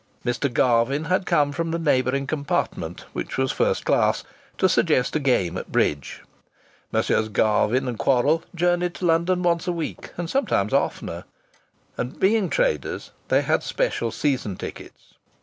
Mr. Garvin had come from the neighbouring compartment, which was first class, to suggest a game at bridge. Messieurs Garvin & Quorrall journeyed to London once a week and sometimes oftener, and, being traders, they had special season tickets.